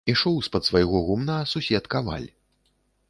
Ішоў з-пад свайго гумна сусед каваль.